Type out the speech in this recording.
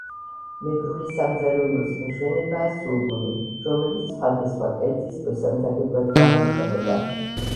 მეგრული სამზარეულოს მშვენებაა — სულგუნი, რომელიც სხვადასხვა კერძის მოსამზადებლად გამოიყენება.